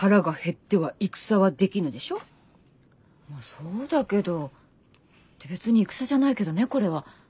まぁそうだけど別に戦じゃないけどねこれは。